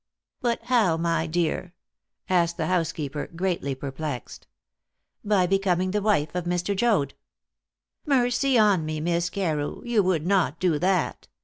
"But how, my dear?" asked the housekeeper, greatly perplexed. "By becoming the wife of Mr. Joad." "Mercy on me, Miss Carew! You would not do that!"